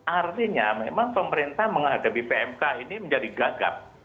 artinya memang pemerintah menghadapi pmk ini menjadi gagap